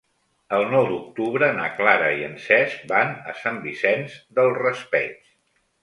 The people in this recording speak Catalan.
El nou d'octubre na Clara i en Cesc van a Sant Vicent del Raspeig.